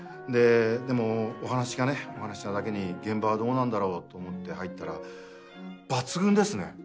でもお話がお話なだけに現場はどうなんだろうと入ったら抜群ですね。